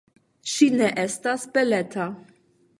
Ŝi ne estas beleta.